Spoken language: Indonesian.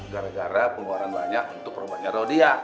gara gara pengeluaran banyak untuk perubahan nyara dia